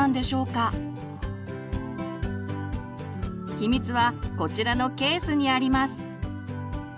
秘密はこちらのケースにあります。